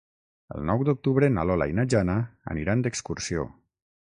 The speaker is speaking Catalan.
El nou d'octubre na Lola i na Jana aniran d'excursió.